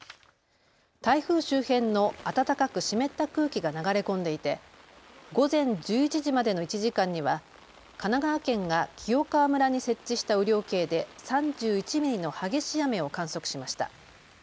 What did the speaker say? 台風周辺の暖かく湿った空気が流れ込んでいて午前１１時までの１時間には神奈川県が清川村に設置した雨量計で３１ミリの激しい雨を観測しました。